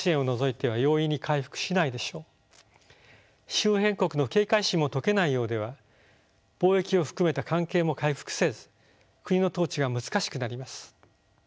周辺国の警戒心も解けないようでは貿易を含めた関係も回復せず国の統治が難しくなります。